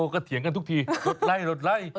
ก็เถียงกันทุกทีรถไล่